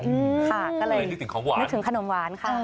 นึกถึงของหวานนึกถึงขนมหวานค่ะ